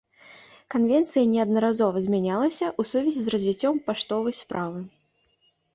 Канвенцыя неаднаразова змянялася ў сувязі з развіццём паштовай справы.